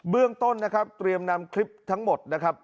เรื่องต้นนะครับเตรียมนำคลิปทั้งหมดนะครับ